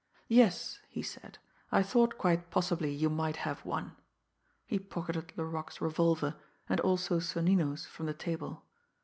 "Yes," he said, "I thought quite possibly you might have one." He pocketed Laroque's revolver, and also Sonnino's from the table.